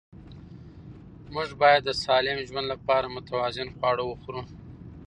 موږ باید د سالم ژوند لپاره متوازن خواړه وخورو